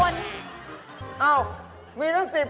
ใช่ค่ะอุ๊ย